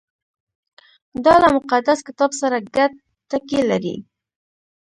• دا له مقدس کتاب سره ګډ ټکي لري.